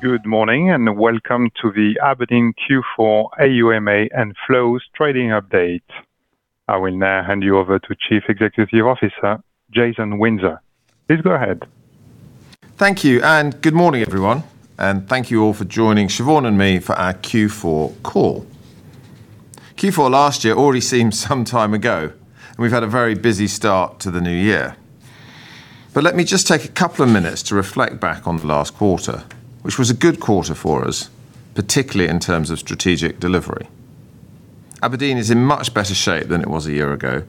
Good morning and welcome to the Aberdeen Q4 AUMA and Flows trading update. I will now hand you over to Chief Executive Officer Jason Windsor. Please go ahead. Thank you and good morning everyone, and thank you all for joining Siobhan and me for our Q4 call. Q4 last year already seemed some time ago, and we've had a very busy start to the new year, but let me just take a couple of minutes to reflect back on the last quarter, which was a good quarter for us, particularly in terms of strategic delivery. Aberdeen is in much better shape than it was a year ago,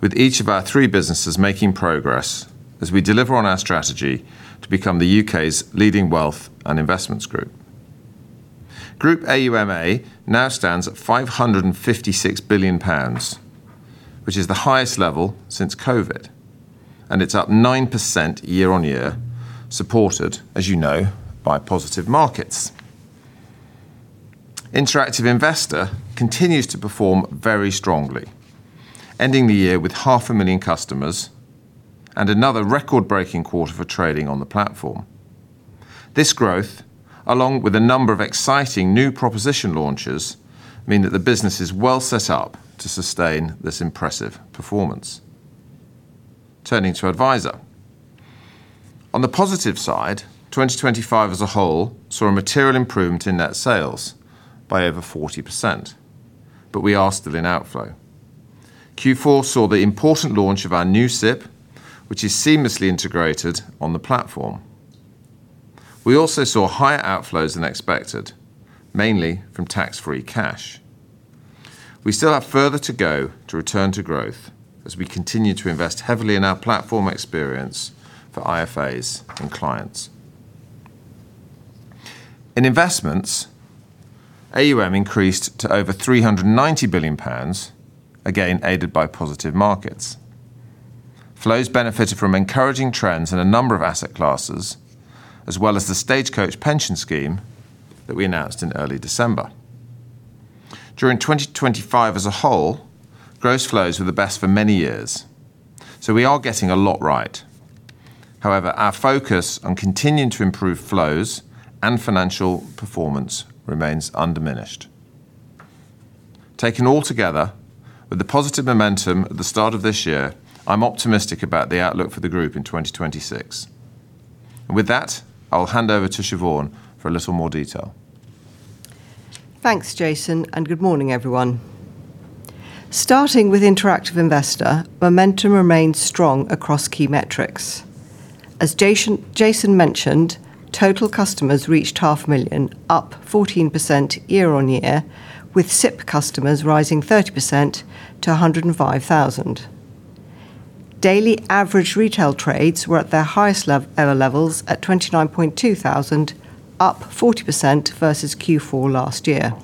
with each of our three businesses making progress as we deliver on our strategy to become the U.K.'s leading wealth and investments group. Group AUMA now stands at 556 billion pounds, which is the highest level since COVID, and it's up 9% year-on-year, supported, as you know, by positive markets. Interactive Investor continues to perform very strongly, ending the year with 500,000 customers and another record-breaking quarter for trading on the platform. This growth, along with a number of exciting new proposition launches, mean that the business is well set up to sustain this impressive performance. Turning to Adviser. On the positive side, 2025 as a whole saw a material improvement in net sales by over 40%, but we are still in outflow. Q4 saw the important launch of our new SIP, which is seamlessly integrated on the platform. We also saw higher outflows than expected, mainly from tax-free cash. We still have further to go to return to growth as we continue to invest heavily in our platform experience for IFAs and clients. In investments, AUM increased to over 390 billion pounds, again aided by positive markets. Flows benefited from encouraging trends in a number of asset classes, as well as the Stagecoach Pension Scheme that we announced in early December. During 2025 as a whole, gross flows were the best for many years, so we are getting a lot right. However, our focus on continuing to improve flows and financial performance remains undiminished. Taken all together, with the positive momentum at the start of this year, I'm optimistic about the outlook for the group in 2026. And with that, I'll hand over to Siobhan for a little more detail. Thanks, Jason, and good morning everyone. Starting with Interactive Investor, momentum remains strong across key metrics. As Jason mentioned, total customers reached 500,000, up 14% year-on-year, with SIP customers rising 30% to 105,000. Daily average retail trades were at their highest ever levels at 29.2 thousand, up 40% versus Q4 last year.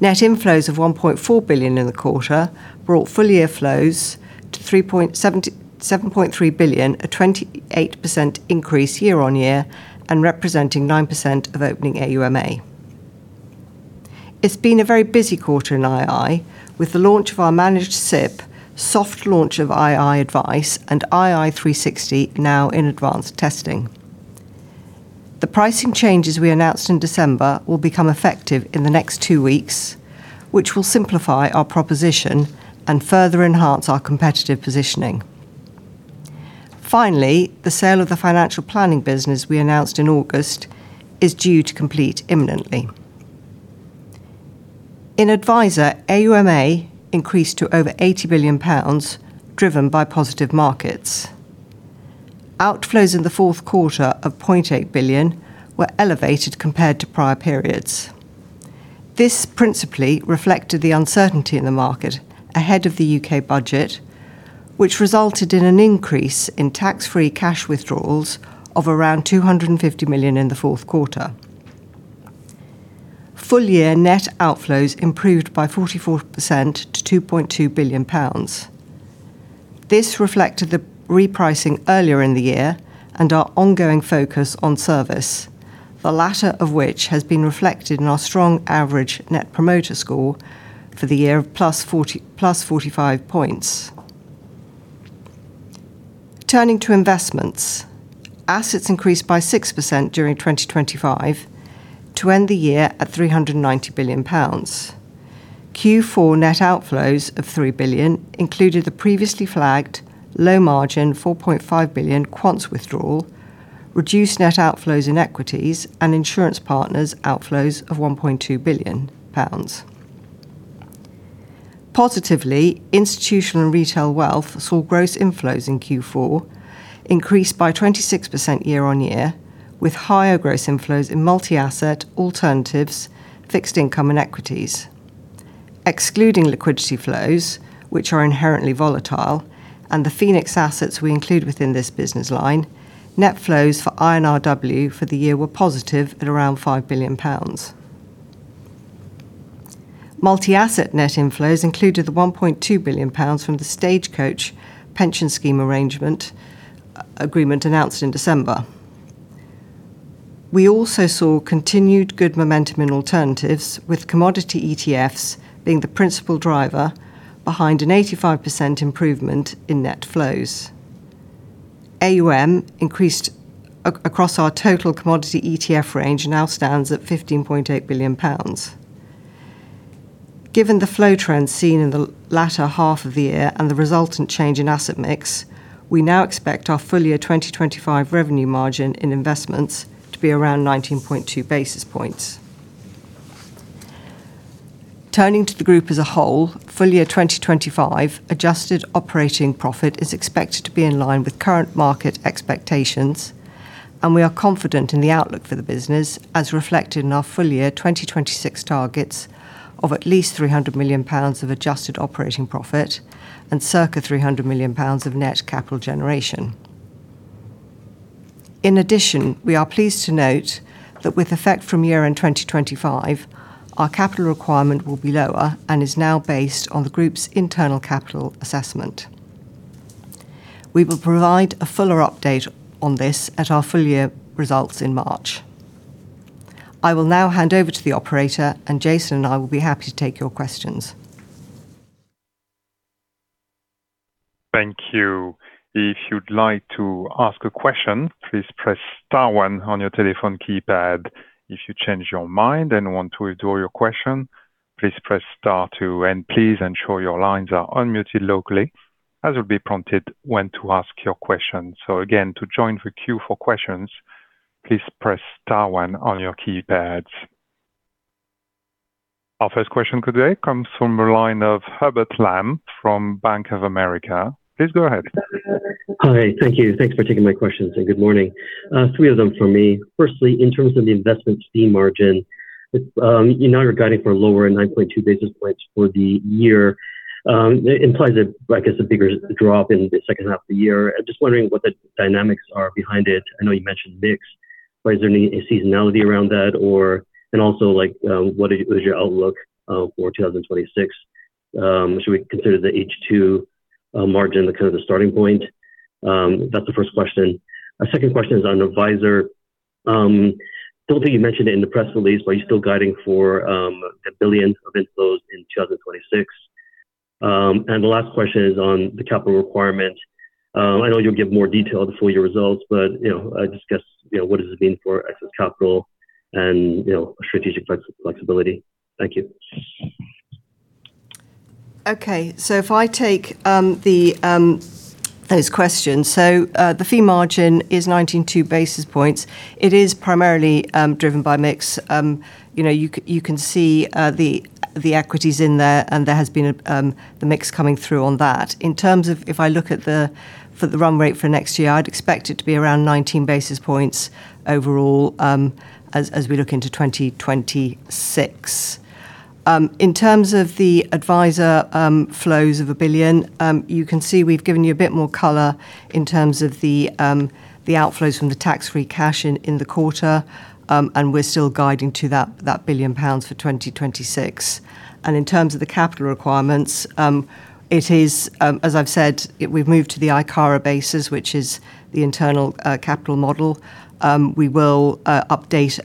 Net inflows of 1.4 billion in the quarter brought full year flows to 7.3 billion, a 28% increase year-on-year and representing 9% of opening AUMA. It's been a very busy quarter in ii, with the launch of our managed SIP, soft launch of ii Advice, and ii 360 now in advanced testing. The pricing changes we announced in December will become effective in the next two weeks, which will simplify our proposition and further enhance our competitive positioning. Finally, the sale of the financial planning business we announced in August is due to complete imminently. In Adviser, AUMA increased to over 80 billion pounds, driven by positive markets. Outflows in the fourth quarter of 0.8 billion were elevated compared to prior periods. This principally reflected the uncertainty in the market ahead of the UK budget, which resulted in an increase in tax-free cash withdrawals of around 250 million in the fourth quarter. Full year net outflows improved by 44% to 2.2 billion pounds. This reflected the repricing earlier in the year and our ongoing focus on service, the latter of which has been reflected in our strong average Net Promoter Score for the year of plus 45 points. Turning to investments, assets increased by 6% during 2025 to end the year at 390 billion pounds. Q4 net outflows of 3 billion included the previously flagged low margin 4.5 billion quants withdrawal, reduced net outflows in equities and insurance partners outflows of 1.2 billion pounds. Positively, institutional and retail wealth saw gross inflows in Q4 increased by 26% year-on-year, with higher gross inflows in multi-asset alternatives, fixed income and equities. Excluding liquidity flows, which are inherently volatile, and the Phoenix assets we include within this business line, net flows for I&RW for the year were positive at around 5 billion pounds. Multi-asset net inflows included the 1.2 billion pounds from the Stagecoach Pension Scheme arrangement agreement announced in December. We also saw continued good momentum in alternatives, with commodity ETFs being the principal driver behind an 85% improvement in net flows. AUM increased across our total commodity ETF range and now stands at 15.8 billion pounds. Given the flow trends seen in the latter half of the year and the resultant change in asset mix, we now expect our full year 2025 revenue margin in investments to be around 19.2 basis points. Turning to the group as a whole, full year 2025 adjusted operating profit is expected to be in line with current market expectations, and we are confident in the outlook for the business as reflected in our full year 2026 targets of at least 300 million pounds of adjusted operating profit and circa 300 million pounds of net capital generation. In addition, we are pleased to note that with effect from year end 2025, our capital requirement will be lower and is now based on the group's internal capital assessment. We will provide a fuller update on this at our full year results in March. I will now hand over to the operator, and Jason and I will be happy to take your questions. Thank you. If you'd like to ask a question, please press star one on your telephone keypad. If you change your mind and want to withdraw your question, please press star two. And please ensure your lines are unmuted locally, as will be prompted when to ask your question. So again, to join the queue for questions, please press star one on your keypads. Our first question of the day comes from the line of Hubert Lam from Bank of America. Please go ahead. Hi, thank you. Thanks for taking my questions and good morning. Three of them for me. Firstly, in terms of the investment fee margin, you're now guiding for a lower 9.2 basis points for the year. It implies a, I guess, a bigger drop in the second half of the year. I'm just wondering what the dynamics are behind it. I know you mentioned mix, but is there any seasonality around that? And also, what is your outlook for 2026? Should we consider the H2 margin the kind of the starting point? That's the first question. A second question is on Adviser. I don't think you mentioned it in the press release, but are you still guiding for a billion of inflows in 2026? And the last question is on the capital requirement. I know you'll give more detail of the full year results, but discuss what does it mean for excess capital and strategic flexibility? Thank you. Okay, so if I take those questions, so the fee margin is 19.2 basis points. It is primarily driven by mix. You can see the equities in there, and there has been the mix coming through on that. In terms of if I look at the run rate for next year, I'd expect it to be around 19 basis points overall as we look into 2026. In terms of the Adviser flows of 1 billion, you can see we've given you a bit more color in terms of the outflows from the tax-free cash in the quarter, and we're still guiding to 1 billion pounds for 2026. And in terms of the capital requirements, it is, as I've said, we've moved to the ICARA basis, which is the internal capital model. We will update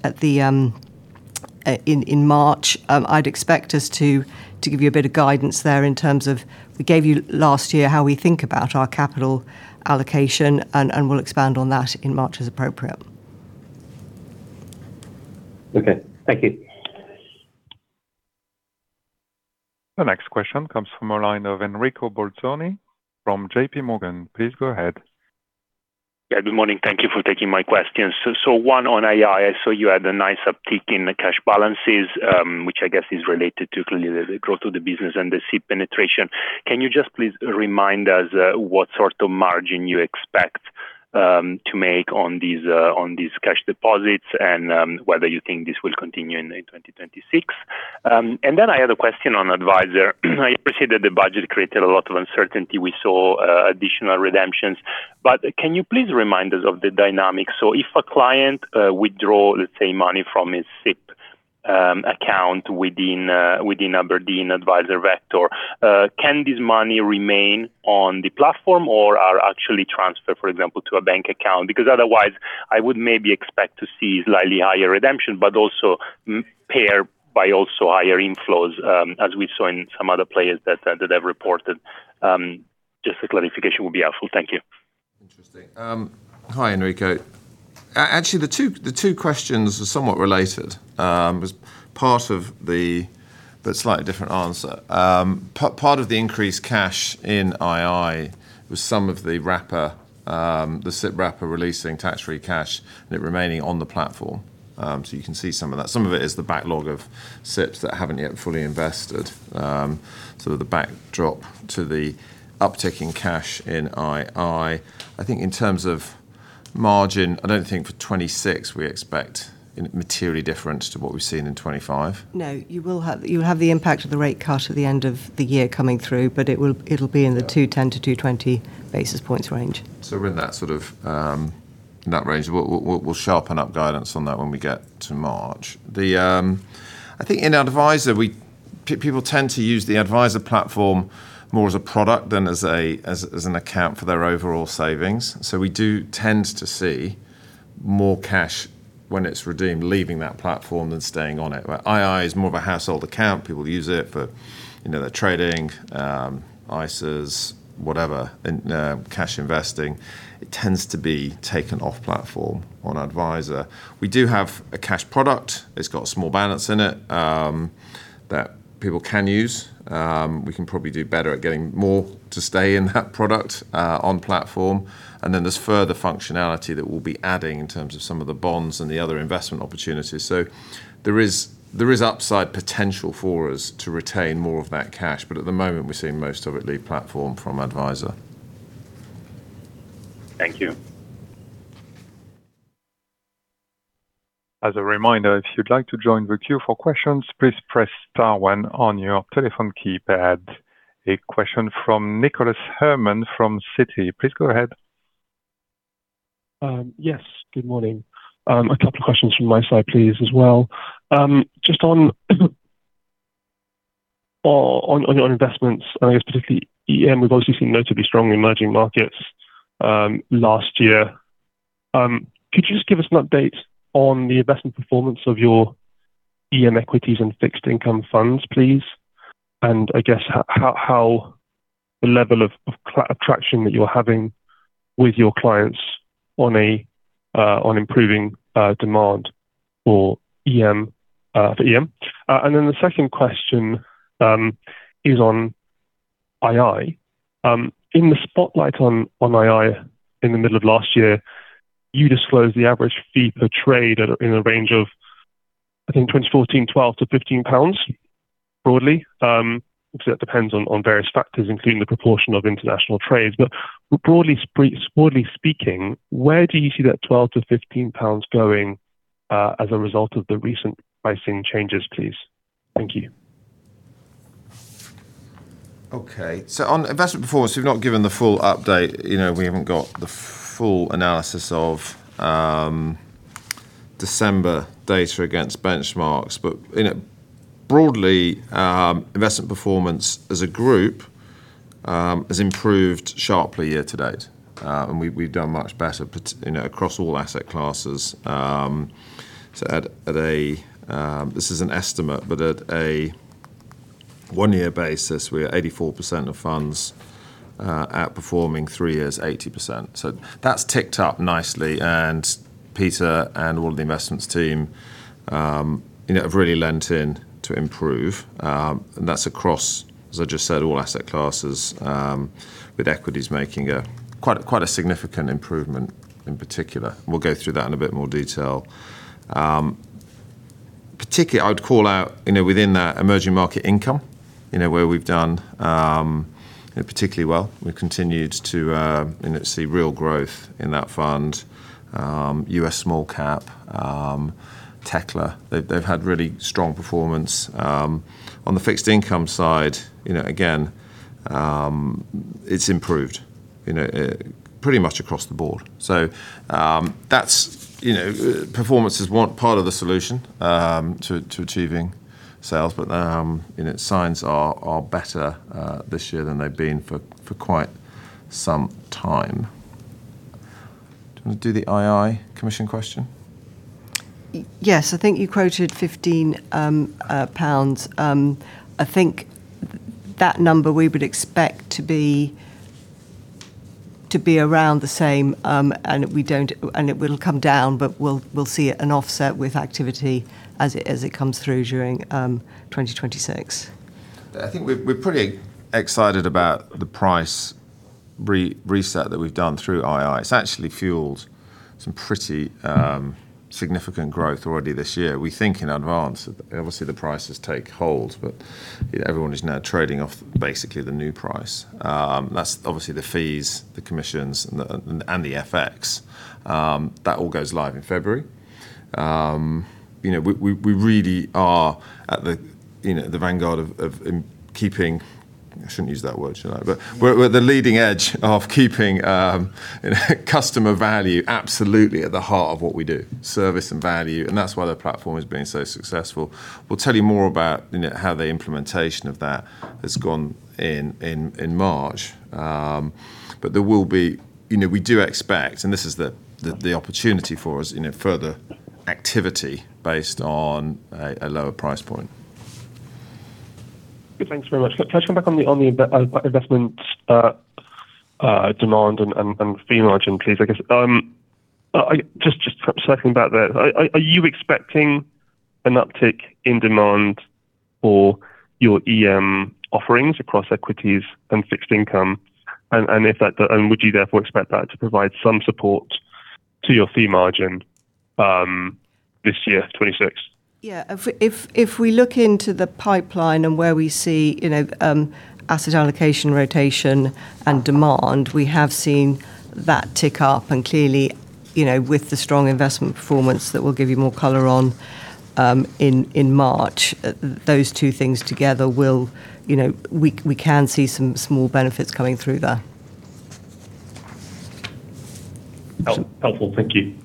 in March. I'd expect us to give you a bit of guidance there in terms of we gave you last year how we think about our capital allocation, and we'll expand on that in March as appropriate. Okay, thank you. The next question comes from the line of Enrico Bolzoni from JPMorgan. Please go ahead. Yeah, good morning. Thank you for taking my questions. So one on ii. I saw you had a nice uptick in the cash balances, which I guess is related to clearly the growth of the business and the ISA penetration. Can you just please remind us what sort of margin you expect to make on these cash deposits and whether you think this will continue in 2026? And then I had a question on Adviser. You said that the budget created a lot of uncertainty. We saw additional redemptions. But can you please remind us of the dynamic? So if a client withdraws, let's say, money from his SIP account within abrdn Adviser Vector, can this money remain on the platform or actually transfer, for example, to a bank account? Because otherwise, I would maybe expect to see slightly higher redemption, but also perhaps higher inflows as we saw in some other players that have reported. Just a clarification would be helpful. Thank you. Interesting. Hi, Enrico. Actually, the two questions are somewhat related. It was part of the slightly different answer. Part of the increased cash in ii was some of the wrapper, the SIP wrapper releasing tax-free cash and it remaining on the platform. So you can see some of that. Some of it is the backlog of SIPs that haven't yet fully invested. So the backdrop to the uptick in cash in ii. I think in terms of margin, I don't think for 2026 we expect materially different to what we've seen in 2025. No, you will have the impact of the rate cut at the end of the year coming through, but it will be in the 210-220 basis points range. We're in that sort of range. We'll sharpen up guidance on that when we get to March. I think in Adviser, people tend to use the Adviser platform more as a product than as an account for their overall savings. So we do tend to see more cash when it's redeemed leaving that platform than staying on it. ii is more of a household account. People use it for trading, ISAs, whatever, cash investing. It tends to be taken off platform on Adviser. We do have a cash product. It's got a small balance in it that people can use. We can probably do better at getting more to stay in that product on platform. And then there's further functionality that we'll be adding in terms of some of the bonds and the other investment opportunities. There is upside potential for us to retain more of that cash, but at the moment we're seeing most of it leave platform from Adviser. Thank you. As a reminder, if you'd like to join the queue for questions, please press star one on your telephone keypad. A question from Nicholas Herman from Citi. Please go ahead. Yes, good morning. A couple of questions from my side, please, as well. Just on investments, and I guess particularly EM, we've obviously seen notably strong emerging markets last year. Could you just give us an update on the investment performance of your EM equities and fixed income funds, please? And I guess how the level of traction that you're having with your clients on improving demand for EM? And then the second question is on ii. In the spotlight on ii in the middle of last year, you disclosed the average fee per trade in the range of, I think, 12-14, 12-15 pounds broadly. Obviously, that depends on various factors, including the proportion of international trades. But broadly speaking, where do you see that 12-15 pounds going as a result of the recent pricing changes, please? Thank you. Okay, so on investment performance, we've not given the full update. We haven't got the full analysis of December data against benchmarks. But broadly, investment performance as a group has improved sharply year to date. And we've done much better across all asset classes. So at a, this is an estimate, but at a one-year basis, we are 84% of funds outperforming three years, 80%. So that's ticked up nicely. And Peter and all of the investments team have really lent in to improve. And that's across, as I just said, all asset classes, with equities making quite a significant improvement in particular. We'll go through that in a bit more detail. Particularly, I would call out within that emerging market income, where we've done particularly well. We've continued to see real growth in that fund, US small cap, Tekla. They've had really strong performance. On the fixed income side, again, it's improved pretty much across the board. So performance is one part of the solution to achieving sales, but signs are better this year than they've been for quite some time. Do you want to do the ii commission question? Yes, I think you quoted 15 pounds. I think that number we would expect to be around the same, and it will come down, but we'll see an offset with activity as it comes through during 2026. I think we're pretty excited about the price reset that we've done through ii. It's actually fueled some pretty significant growth already this year. We think in advance that obviously the prices take hold, but everyone is now trading off basically the new price. That's obviously the fees, the commissions, and the FX. That all goes live in February. We really are at the vanguard of keeping, I shouldn't use that word, should I, but we're at the leading edge of keeping customer value absolutely at the heart of what we do, service and value. And that's why the platform has been so successful. We'll tell you more about how the implementation of that has gone in March. But there will be, we do expect, and this is the opportunity for us, further activity based on a lower price point. Thanks very much. Touching back on the investment demand and fee margin piece, I guess, just circling back there, are you expecting an uptick in demand for your EM offerings across equities and fixed income? And would you therefore expect that to provide some support to your fee margin this year, 2026? Yeah, if we look into the pipeline and where we see asset allocation rotation and demand, we have seen that tick up, and clearly, with the strong investment performance that we'll give you more color on in March, those two things together, we can see some small benefits coming through there. Helpful, thank you.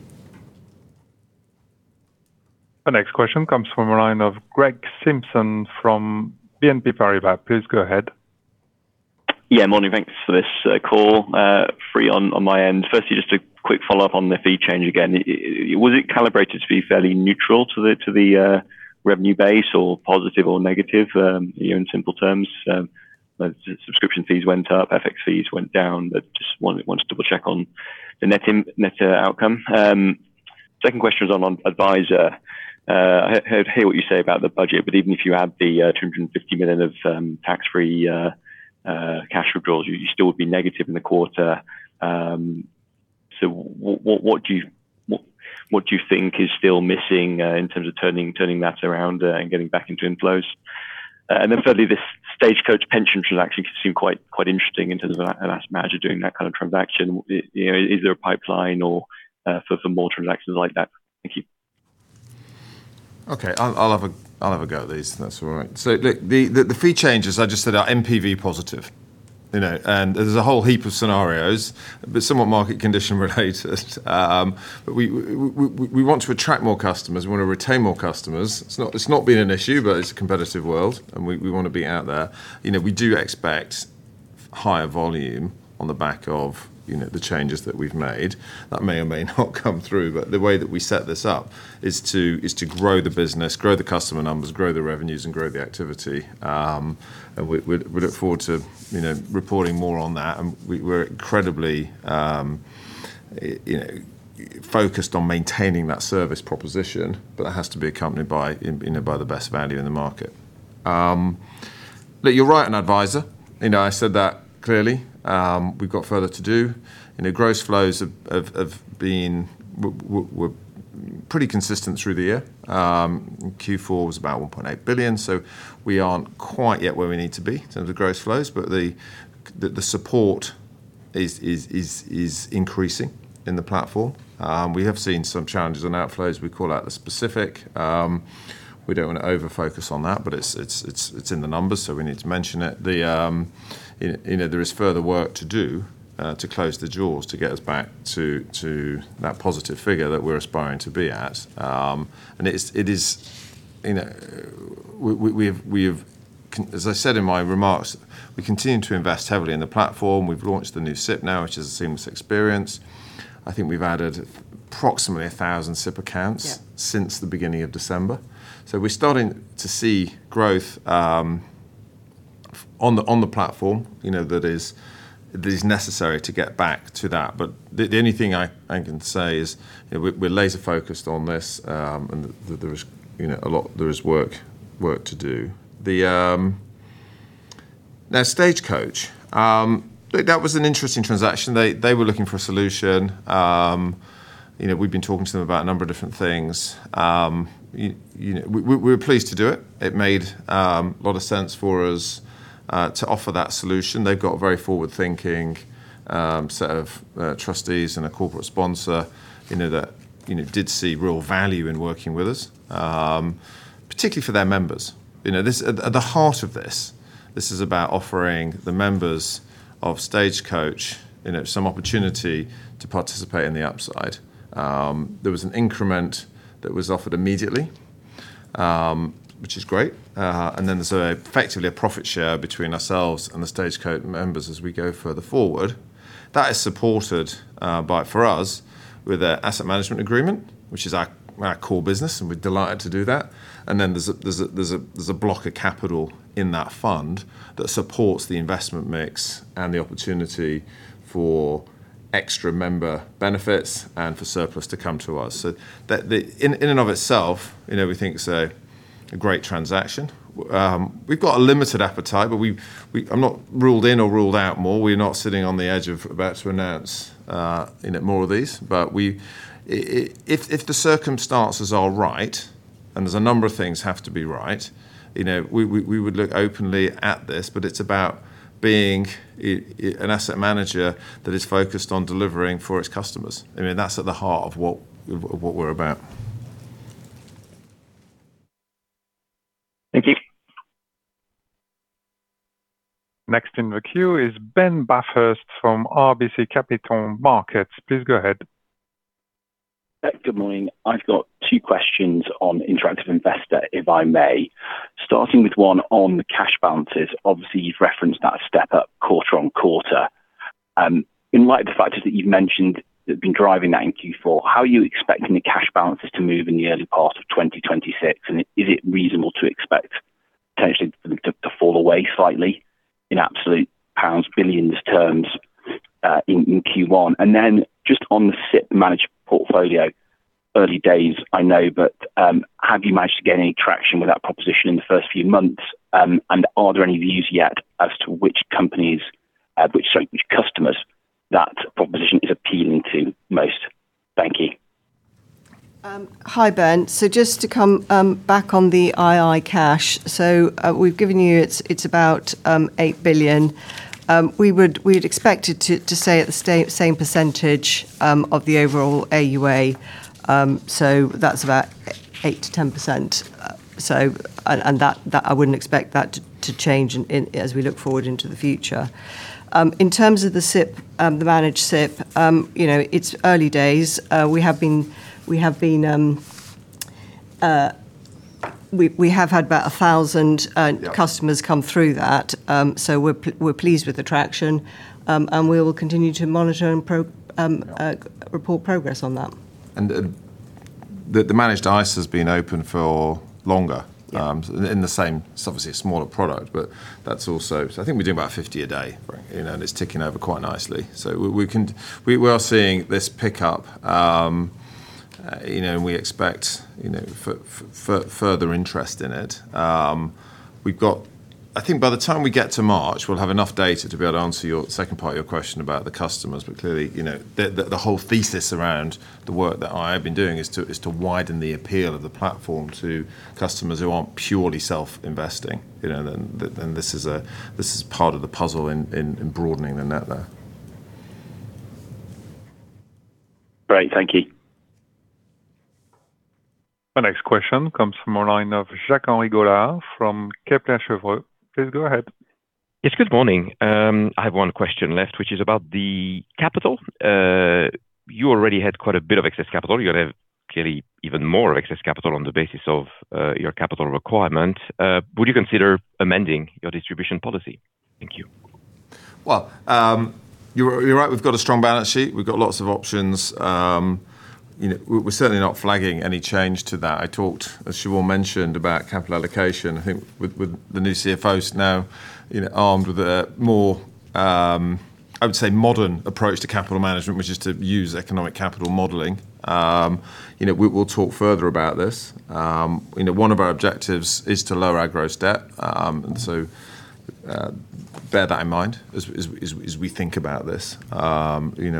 The next question comes from the line of Greg Simpson from BNP Paribas. Please go ahead. Yeah, morning, thanks for this call. Free on my end. Firstly, just a quick follow-up on the fee change again. Was it calibrated to be fairly neutral to the revenue base or positive or negative in simple terms? Subscription fees went up, FX fees went down. Just wanted to double-check on the net outcome. Second question is on Adviser. I hear what you say about the budget, but even if you had the 250 million of tax-free cash withdrawals, you still would be negative in the quarter. So what do you think is still missing in terms of turning that around and getting back into inflows? And then thirdly, this Stagecoach pension transaction seemed quite interesting in terms of an asset manager doing that kind of transaction. Is there a pipeline for more transactions like that? Thank you. Okay, I'll have a go at these. That's all right. So look, the fee changes, I just said, are NPV positive. And there's a whole heap of scenarios, but somewhat market condition related. We want to attract more customers. We want to retain more customers. It's not been an issue, but it's a competitive world, and we want to be out there. We do expect higher volume on the back of the changes that we've made. That may or may not come through, but the way that we set this up is to grow the business, grow the customer numbers, grow the revenues, and grow the activity. And we look forward to reporting more on that. And we're incredibly focused on maintaining that service proposition, but that has to be accompanied by the best value in the market. Look, you're right on Adviser. I said that clearly. We've got further to do. Gross flows have been pretty consistent through the year. Q4 was about 1.8 billion. So we aren't quite yet where we need to be in terms of gross flows, but the support is increasing in the platform. We have seen some challenges on outflows. We call out the specific. We don't want to over-focus on that, but it's in the numbers, so we need to mention it. There is further work to do to close the jaws to get us back to that positive figure that we're aspiring to be at. It is, as I said in my remarks, we continue to invest heavily in the platform. We've launched the new SIP now, which is a seamless experience. I think we've added approximately 1,000 SIP accounts since the beginning of December. So we're starting to see growth on the platform that is necessary to get back to that. But the only thing I can say is we're laser-focused on this and there is a lot of work to do. Now, Stagecoach, look, that was an interesting transaction. They were looking for a solution. We've been talking to them about a number of different things. We were pleased to do it. It made a lot of sense for us to offer that solution. They've got a very forward-thinking set of trustees and a corporate sponsor that did see real value in working with us, particularly for their members. At the heart of this, this is about offering the members of Stagecoach some opportunity to participate in the upside. There was an increment that was offered immediately, which is great. And then there's effectively a profit share between ourselves and the Stagecoach members as we go further forward. That is supported for us with an asset management agreement, which is our core business, and we're delighted to do that. And then there's a block of capital in that fund that supports the investment mix and the opportunity for extra member benefits and for surplus to come to us. So in and of itself, we think it's a great transaction. We've got a limited appetite, but I'm not ruled in or ruled out more. We're not sitting on the edge of about to announce more of these. But if the circumstances are right, and there's a number of things have to be right, we would look openly at this, but it's about being an asset manager that is focused on delivering for its customers. I mean, that's at the heart of what we're about. Thank you. Next in the queue is Ben Bathurst from RBC Capital Markets. Please go ahead. Good morning. I've got two questions on Interactive Investor, if I may. Starting with one on the cash balances. Obviously, you've referenced that step up quarter on quarter. In light of the factors that you've mentioned that have been driving that in Q4, how are you expecting the cash balances to move in the early part of 2026? And is it reasonable to expect potentially to fall away slightly in absolute pounds, billions terms in Q1? And then just on the SIP management portfolio, early days, I know, but have you managed to gain any traction with that proposition in the first few months? And are there any views yet as to which companies, which customers that proposition is appealing to most? Thank you. Hi, Ben. So just to come back on the ii cash, so we've given you it's about 8 billion. We'd expect it to stay at the same percentage of the overall AUA. So that's about 8%-10%, and I wouldn't expect that to change as we look forward into the future. In terms of the SIP, the managed SIP, it's early days. We have had about 1,000 customers come through that. So we're pleased with the traction, and we will continue to monitor and report progress on that. And the managed ISA has been open for longer in the same, obviously, a smaller product, but that's also I think we're doing about 50 a day, and it's ticking over quite nicely. So we are seeing this pick up, and we expect further interest in it. I think by the time we get to March, we'll have enough data to be able to answer your second part of your question about the customers. But clearly, the whole thesis around the work that I have been doing is to widen the appeal of the platform to customers who aren't purely self-investing. And this is part of the puzzle in broadening the net there. Great, thank you. The next question comes from the line of Jacques-Henri Gaulard from Kepler Cheuvreux. Please go ahead. Yes, good morning. I have one question left, which is about the capital. You already had quite a bit of excess capital. You're going to have clearly even more excess capital on the basis of your capital requirement. Would you consider amending your distribution policy? Thank you. You're right. We've got a strong balance sheet. We've got lots of options. We're certainly not flagging any change to that. I talked, as Siobhan mentioned, about capital allocation. I think with the new CFOs now armed with a more, I would say, modern approach to capital management, which is to use economic capital modeling. We'll talk further about this. One of our objectives is to lower our gross debt. And so bear that in mind as we think about this. We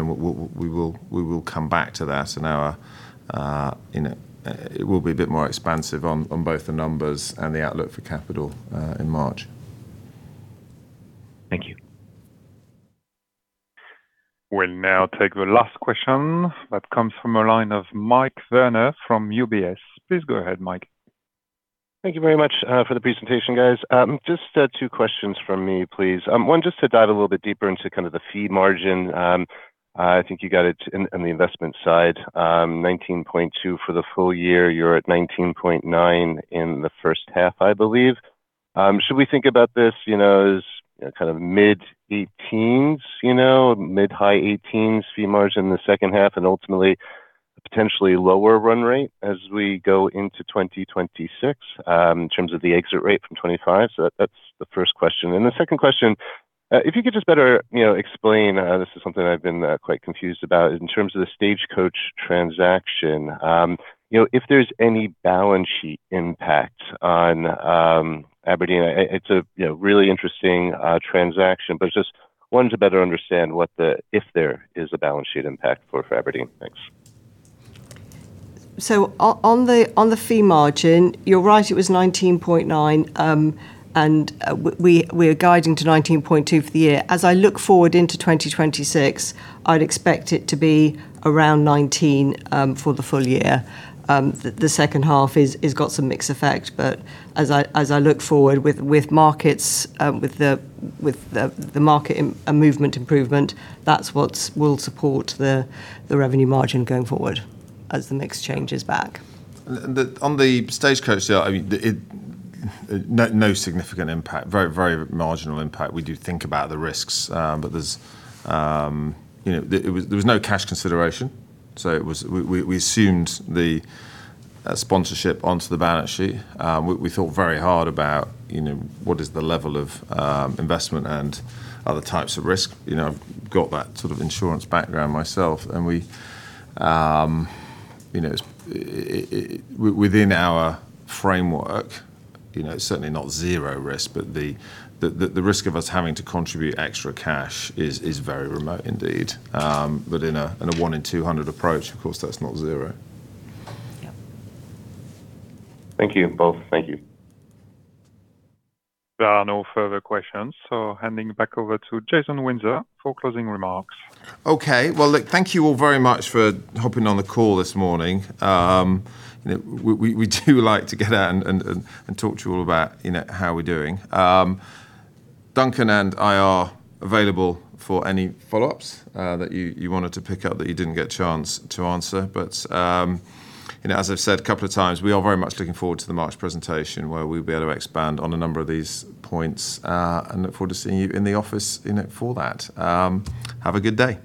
will come back to that. And it will be a bit more expansive on both the numbers and the outlook for capital in March. Thank you. We'll now take the last question from the line of Mike Werner from UBS. Please go ahead, Mike. Thank you very much for the presentation, guys. Just two questions from me, please. One, just to dive a little bit deeper into kind of the fee margin. I think you got it on the investment side. 19.2 for the full year. You're at 19.9 in the first half, I believe. Should we think about this as kind of mid-18s, mid-high 18s fee margin in the second half, and ultimately potentially lower run rate as we go into 2026 in terms of the exit rate from 2025? So that's the first question. And the second question, if you could just better explain, this is something I've been quite confused about, in terms of the Stagecoach transaction, if there's any balance sheet impact on Aberdeen. It's a really interesting transaction, but just wanted to better understand what if there is a balance sheet impact for Aberdeen. Thanks. On the fee margin, you're right, it was 19.9, and we are guiding to 19.2 for the year. As I look forward into 2026, I'd expect it to be around 19 for the full year. The second half has got some mixed effect, but as I look forward with markets, with the market movement improvement, that's what will support the revenue margin going forward as the mix changes back. On the Stagecoach, no significant impact, very marginal impact. We do think about the risks, but there was no cash consideration. So we assumed the sponsorship onto the balance sheet. We thought very hard about what is the level of investment and other types of risk. I've got that sort of insurance background myself. And within our framework, it's certainly not zero risk, but the risk of us having to contribute extra cash is very remote indeed. But in a 1 in 200 approach, of course, that's not zero. Thank you both. Thank you. There are no further questions. So handing back over to Jason Windsor for closing remarks. Okay, well, look, thank you all very much for hopping on the call this morning. We do like to get out and talk to you all about how we're doing. Duncan and I are available for any follow-ups that you wanted to pick up that you didn't get a chance to answer. But as I've said a couple of times, we are very much looking forward to the March presentation where we'll be able to expand on a number of these points, and look forward to seeing you in the office for that. Have a good day.